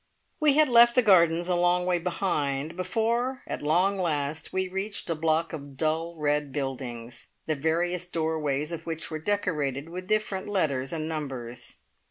We had left the gardens a long way behind before at long last we reached a block of dull red buildings, the various doorways of which were decorated with different letters and numbers.